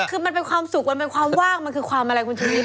คือมันเป็นความสุขมันเป็นความว่างมันคือความอะไรคุณชุวิต